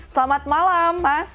selamat malam mas